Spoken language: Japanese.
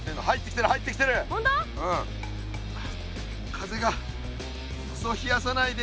風がクソ冷やさないで。